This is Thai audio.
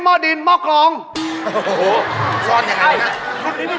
มีความรู้สึกว่า